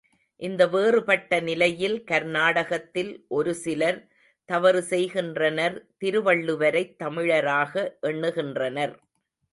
இந்த வேறுபட்ட நிலையில் கர்நாடகத்தில் ஒரு சிலர் தவறு செய்கின்றனர் திருவள்ளுவரைத் தமிழராக எண்ணுகின்றனர்.